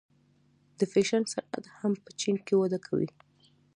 د فیشن صنعت هم په چین کې وده کوي.